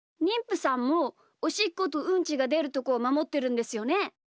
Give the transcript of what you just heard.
にんぷさんもおしっことうんちがでるとこをまもってるんですよね？